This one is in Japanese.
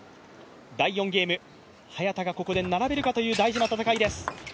第４ゲーム、早田がここで並べるかという大事な戦いです。